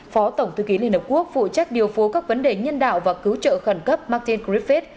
phó tổng thư ký liên hợp quốc phụ trách điều phố các vấn đề nhân đạo và cứu trợ khẩn cấp martin griffith